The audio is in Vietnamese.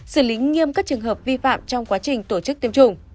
xử lý nghiêm các trường hợp vi phạm trong quá trình tổ chức tiêm chủng